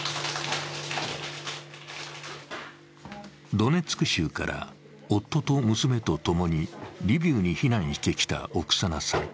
ドネツク州から夫と娘と共にリビウに避難してきたオクサナさん。